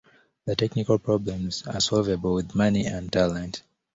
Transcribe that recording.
The technical problems are solvable with money and talent.